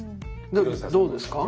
どうですか？